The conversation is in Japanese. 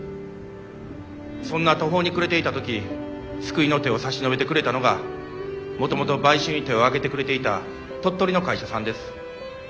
そんな途方に暮れていた時救いの手を差し伸べてくれたのがもともと買収に手を挙げてくれていた鳥取の会社さんです。